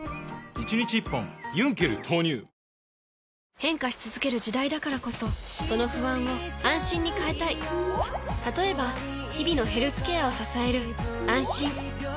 変化し続ける時代だからこそその不安を「あんしん」に変えたい例えば日々のヘルスケアを支える「あんしん」